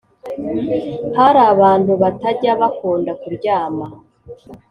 hari abantu batajya bakunda kuryama